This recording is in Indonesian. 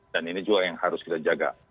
dan ini juga yang harus kita jaga